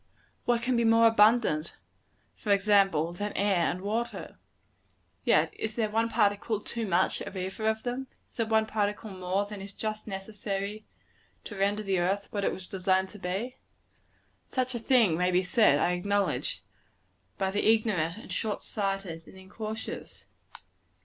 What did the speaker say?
What can be more abundant, for example, than air and water? Yet is there one particle too much of either of them? Is there one particle more than is just necessary to render the earth what it was designed to be? Such a thing may be said, I acknowledge, by the ignorant, and short sighted, and incautious.